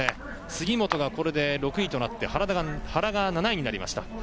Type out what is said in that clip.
杉本がこれで６位となって原が７位になりました。